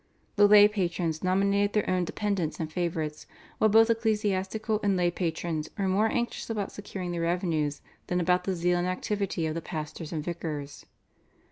The lay patrons nominated their own dependents and favourites, while both ecclesiastical and lay patrons were more anxious about securing the revenues than about the zeal and activity of the pastors and vicars.